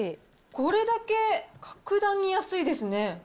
これだけ格段に安いですね。